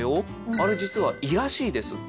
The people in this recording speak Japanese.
あれ実は胃らしいです。